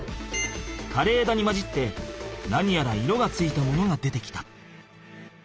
かれえだに交じって何やら色がついたものが出てきた。